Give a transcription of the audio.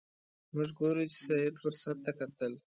موږ ګورو چې سید فرصت ته کتل.